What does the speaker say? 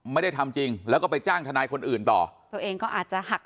ไม่ได้ทำจริงแล้วก็ไปจ้างทนายคนอื่นต่อตัวเองก็อาจจะหัก